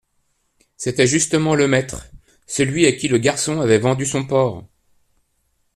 C'était justement «le maître», celui à qui le garçon avait vendu son porc.